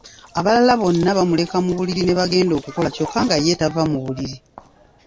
Abalala bonna bamuleka mu buliri ne bagenda okukola kyokka nga ye tava mu buliri.